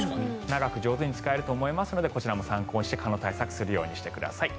長く上手に使えると思いますのでこちらも参考にして蚊の対策するようにしてください。